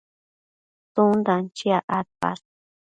tsundan chiac adpash?